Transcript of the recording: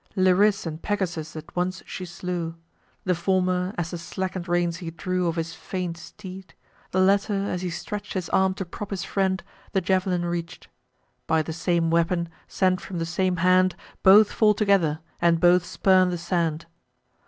Liris and Pegasus at once she slew: The former, as the slacken'd reins he drew Of his faint steed; the latter, as he stretch'd His arm to prop his friend, the jav'lin reach'd. By the same weapon, sent from the same hand, Both fall together, and both spurn the sand.